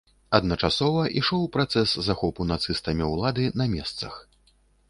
Адначасова ішоў працэс захопу нацыстамі ўлады на месцах.